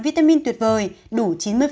vitamin tuyệt vời đủ chín mươi